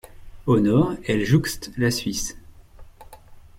Au nord, elle jouxte la Suisse.